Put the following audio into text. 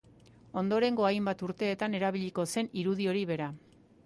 Ondorengo hainbat urteetan erabiliko zen irudi hori bera.